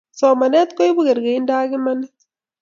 somanet koipu kerkeindo ak imanit